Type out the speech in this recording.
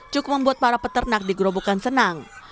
cukup membuat para peternak di gerobokan senang